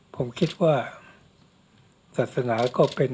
ผมคิดว่าศาสนาก็เป็น